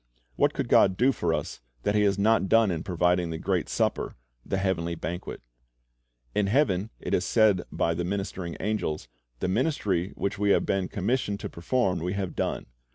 AMiat could God do for us that He has not done in providing the great supper, the heavenl)' banquet? 3i8 Christ's Object Lessons In heaven it is said by the ministering angels: The ministry which we have been commissioned to perform we have done.